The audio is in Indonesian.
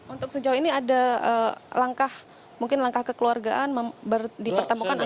untuk sejauh ini ada langkah mungkin langkah kekeluargaan dipertemukan